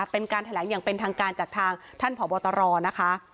เป็นการแถลงอย่างเป็นทางการจากทางท่านผอบตรนะคะ